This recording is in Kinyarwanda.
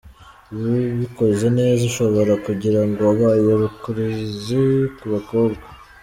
Ibi ubikoze neza ushobora kugirango wabaye rukuruzi ku bakobwa.